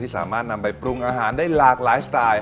สามารถนำไปปรุงอาหารได้หลากหลายสไตล์